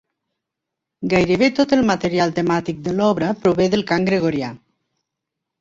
Gairebé tot el material temàtic de l'obra prové del cant gregorià.